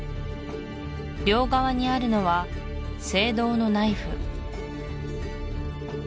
両側にあるのは青銅のナイフ